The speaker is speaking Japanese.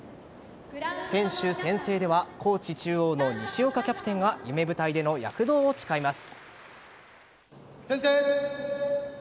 選手宣誓では高知中央の西岡キャプテンが夢舞台での躍動を誓います。